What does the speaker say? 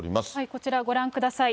こちらご覧ください。